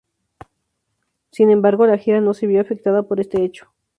Sin embargo, la gira no se vio afectada por este hecho.